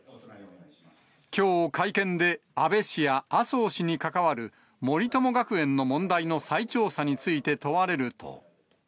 きょう、会見で安倍氏や麻生氏に関わる森友学園の問題の再調査について問われると。